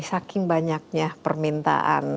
saking banyaknya permintaan